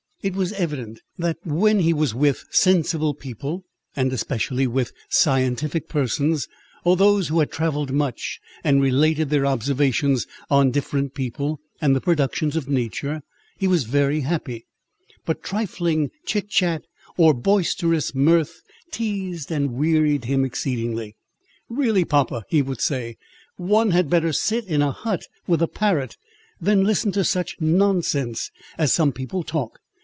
It was evident, that when he was with sensible people, and especially with scientific persons, or those who had travelled much, and related their observations on different people, and the productions of nature, he was very happy; but trifling chit chat, or boisterous mirth, teazed and wearied him exceedingly. "Really, papa," he would say, "one had better sit in a hut with a parrot, than listen to such nonsense as some people talk.